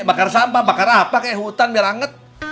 bakar sampah bakar apak ya hutan biar anget